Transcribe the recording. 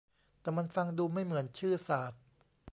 แต่มันฟังดูไม่เหมือนชื่อศาสตร์